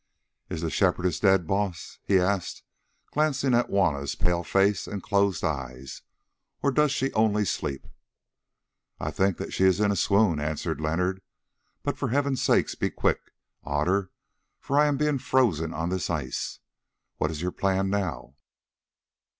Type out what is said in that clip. "Is the Shepherdess dead, Baas?" he asked, glancing at Juanna's pale face and closed eyes, "or does she only sleep?" "I think that she is in a swoon," answered Leonard; "but for heaven's sake be quick, Otter, for I am being frozen on this ice. What is your plan now?"